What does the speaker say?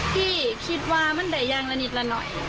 พี่คิดว่ามันได้ยางละนิดละหน่อย